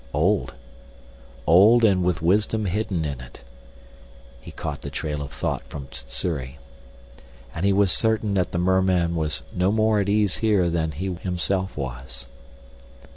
"Old old and with wisdom hidden in it " he caught the trail of thought from Sssuri. And he was certain that the merman was no more at ease here than he himself was.